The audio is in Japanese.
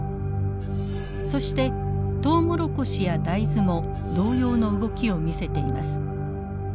そしてトウモロコシや大豆も同様の動きを見せています。